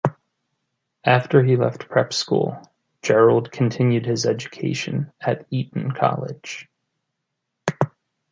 After he left prep school, Gerald continued his education at Eton College.